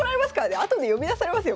後で呼び出されますよ